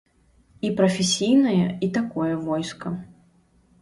І прафесійнае, і такое войска.